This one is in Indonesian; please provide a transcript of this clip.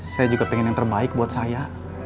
saya juga pengen yang terbaik buat saya